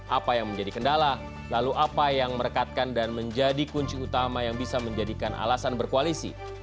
apa yang menjadi kendala lalu apa yang merekatkan dan menjadi kunci utama yang bisa menjadikan alasan berkoalisi